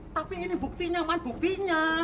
tapi ini buktinya man buktinya